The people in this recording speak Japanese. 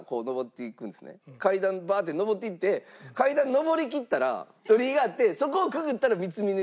階段バーッて上っていって階段上りきったら鳥居があってそこをくぐったら三峯神社なんですよ。